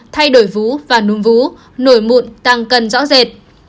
thay đổi vú và núm vú nổi mụn tăng cân rõ rệt